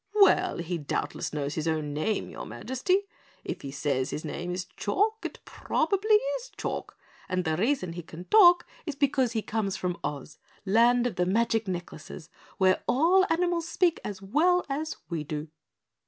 "Well, he doubtless knows his own name, your Majesty. If he says his name is Chalk it probably is Chalk, and the reason he can talk is because he comes from Oz, land of the magic necklaces, where all animals speak as well as we do."